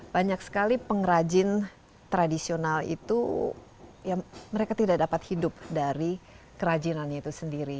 banyak sekali pengrajin tradisional itu ya mereka tidak dapat hidup dari kerajinannya itu sendiri